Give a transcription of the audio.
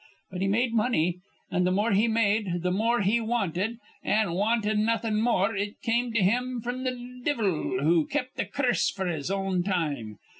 But he made money. An' th' more he made, th' more he wanted, an', wantin' nawthin' more, it come to him fr'm the divvle, who kept th' curse f'r his own time.